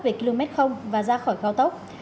về km và ra khỏi cao tốc